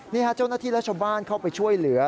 เจ้าหน้าที่และชาวบ้านเข้าไปช่วยเหลือ